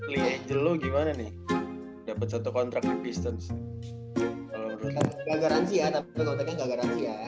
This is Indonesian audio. liang jeluh gimana nih dapat satu kontrak distance kalau berhenti garansi atap kontennya